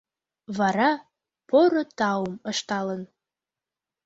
Вара, поро таум ышталын